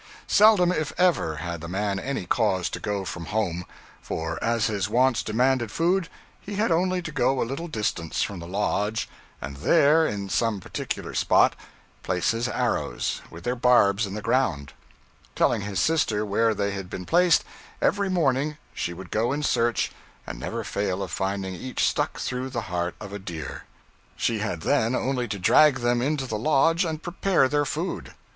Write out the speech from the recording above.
Seldom, if ever, had the man any cause to go from home; for, as his wants demanded food, he had only to go a little distance from the lodge, and there, in some particular spot, place his arrows, with their barbs in the ground. Telling his sister where they had been placed, every morning she would go in search, and never fail of finding each stuck through the heart of a deer. She had then only to drag them into the lodge and prepare their food.